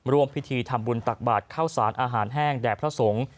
ร่วมพิธีทำบุญตักบาทเข้าสารอาหารแห้งแด่พระสงฆ์